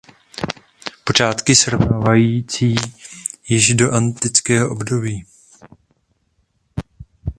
Počátky srovnávací již do antického období.